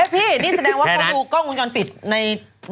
เอ้พี่นี่แสดงว่าก็ดูกล้ององค์จรปิดในบาร์